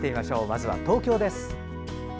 まず東京です。